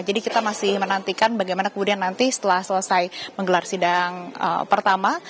jadi kita masih menantikan bagaimana kemudian nanti setelah selesai menggelar sidang pertama